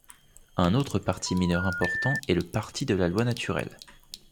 Un autre parti mineur important est le Parti de la loi naturelle.